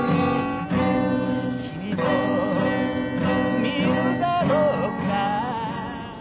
「君もみるだろうか」